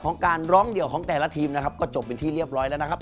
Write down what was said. ของการร้องเดี่ยวของแต่ละทีมนะครับก็จบเป็นที่เรียบร้อยแล้วนะครับ